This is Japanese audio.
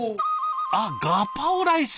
あっガパオライス。